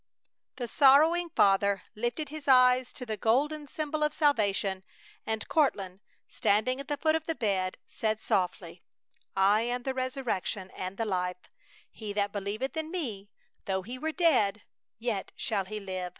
The sorrowing father lifted his eyes to the golden symbol of salvation, and Courtland, standing at the foot of the bed, said, softly: "I am the resurrection and the life: he that believeth in me, though he were dead, yet shall he live."